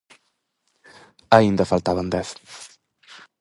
Aínda faltaban dez.